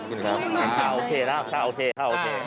ค่ะโอเคนะค่ะโอเค